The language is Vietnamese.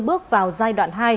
bước vào giai đoạn hai